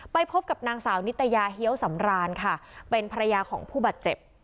ไปพบกับนางสาวนิตยาเฮียวสำรานค่ะเป็นภรรยาของผู้บาดเจ็บ